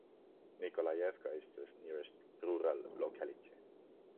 Nikolayevka is the nearest rural locality.